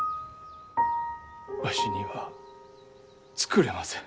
わしには作れません。